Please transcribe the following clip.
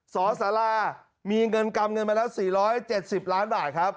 สอสารามีเงินกำเงินมาแล้ว๔๗๐ล้านบาทครับ